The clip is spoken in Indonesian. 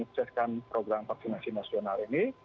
dan untuk menyukseskan program vaksinasi nasional ini